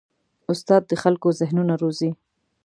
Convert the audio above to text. استاد د خلکو ذهنونه روزي.